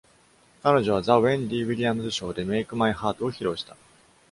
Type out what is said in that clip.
彼女は、『ザ・ウェンディ・ウィリアムズ・ショー』で『メイク・マイ・ハート』を披露した。